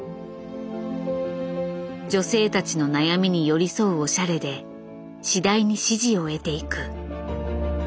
女性たちの悩みに寄り添うおしゃれで次第に支持を得ていく。